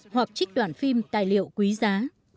hoặc trích đoạn phim tài liệu quý giá